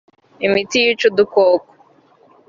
imiti yica udukoko